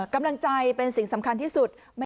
กำลังใจเป็นสิ่งสำคัญที่สุด